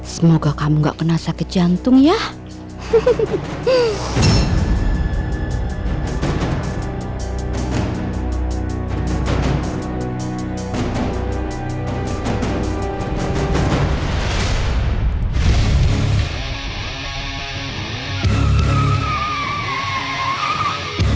selamat menantikan kejutan berikutnya roy